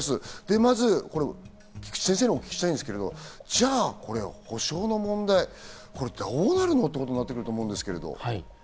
まず菊地先生にお聞きしたいんですけど、じゃあ、これ補償の問題、どうなるの？ってことになると思うんですけど。